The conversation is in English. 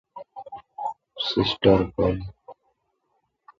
The suburb is located on the northern edge of the City of Cockburn.